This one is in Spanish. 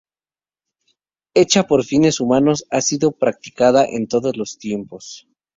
Hecha por fines humanos ha sido practicada en todos los tiempos.